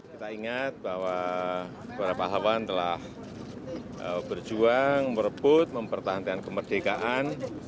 kita ingat bahwa para pahlawan telah berjuang merebut mempertahankan kemerdekaan